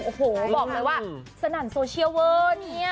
โอ้โหบอกเลยว่าสนั่นโซเชียลเวอร์เนี่ย